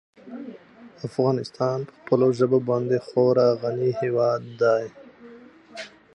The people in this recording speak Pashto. افغانستان په خپلو ژبو باندې خورا غني هېواد دی.